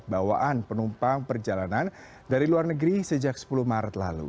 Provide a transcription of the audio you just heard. bawaan penumpang perjalanan dari luar negeri sejak sepuluh maret lalu